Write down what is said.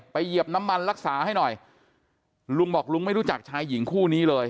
เหยียบน้ำมันรักษาให้หน่อยลุงบอกลุงไม่รู้จักชายหญิงคู่นี้เลย